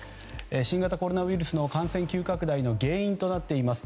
新型コロナウイルスの感染急拡大の原因となっています